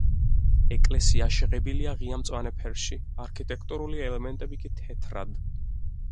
ეკლესია შეღებილია ღია მწვანე ფერში, არქიტექტურული ელემენტები კი თეთრად.